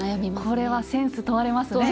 これはセンス問われますね。